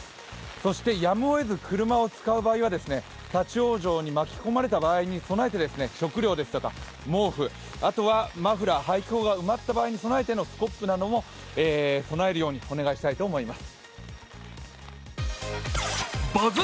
そしてやむをえず車を使う場合は立往生に巻き込まれた場合に備えて食料ですとか、毛布、あとは配送がストップした場合にスコップなども備えるようにお願いしたいと思います。